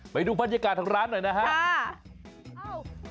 ไปดูพัฒนิการทั้งร้านหน่อยนะฮะค่ะค่ะโอ้โห